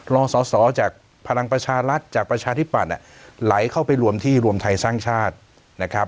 สอสอจากพลังประชารัฐจากประชาธิปัตย์ไหลเข้าไปรวมที่รวมไทยสร้างชาตินะครับ